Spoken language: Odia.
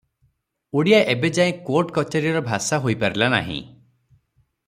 ଓଡ଼ିଆ ଏବେ ଯାଏ କୋର୍ଟ କଚେରିର ଭାଷା ହୋଇପାରିଲା ନାହିଁ ।